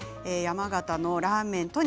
山形のラーメン